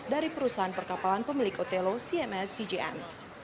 dari perusahaan perkapalan pemilik otelo cms cgm